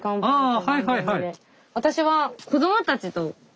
あはいはいはい！